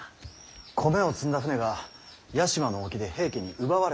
米を積んだ船が屋島の沖で平家に奪われてしまうのです。